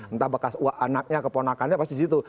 entah bekas anaknya keponakannya pasti di situ